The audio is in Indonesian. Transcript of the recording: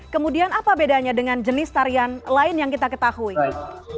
kemudian apa bedanya dengan jenis tarian lain yang kita ketahui ini